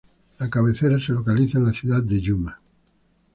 La cabecera se localiza en la ciudad de Yuma.